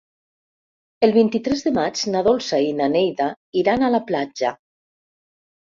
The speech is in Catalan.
El vint-i-tres de maig na Dolça i na Neida iran a la platja.